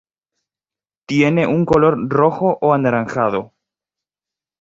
Tiene un color rojo o anaranjado.